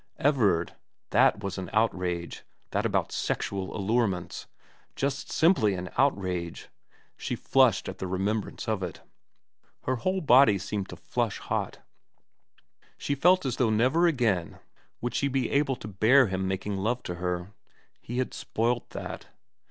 Everard, that was an outrage, that about sexual allurements ; just simply an outrage. She flushed at VERA XT the remembrance of it ; her whole body seemed to flush hot. She felt as though never again would she be able to bear him making love to her. He had spoilt that.